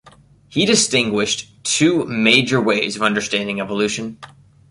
He distinguished two major ways of understanding evolution.